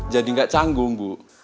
jadi gak canggung bu